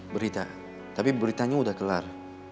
berita tapi beritanya sudah kelar